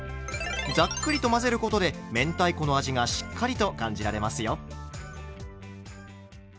ざっくりと混ぜることで明太子の味がしっかりと感じられますよ。